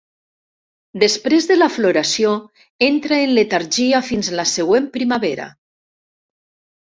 Després de la floració, entra en letargia fins la següent primavera.